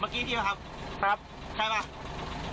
เมื่อกี้เมื่อกี้เบอร์ละไหมครับถามหน่อย